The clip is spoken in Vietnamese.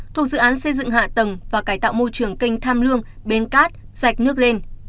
thuộc dự án xây dựng hạ tầng và cải tạo môi trường kênh tham lương bến cát sạch nước lên